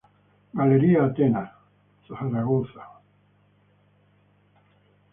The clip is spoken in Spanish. Galería Atenas, Zaragoza.